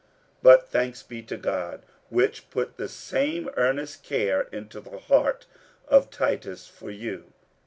47:008:016 But thanks be to God, which put the same earnest care into the heart of Titus for you.